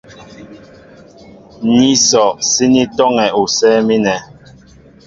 Ní sɔ síní tɔ́ŋɛ usɛ́ɛ́ mínɛ.